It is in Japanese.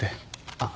あっ。